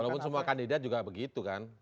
walaupun semua kandidat juga begitu kan